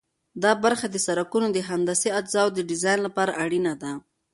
دا برخه د سرکونو د هندسي اجزاوو د ډیزاین لپاره اړینه ده